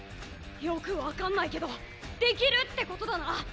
よく分かんないけどできるってことだな。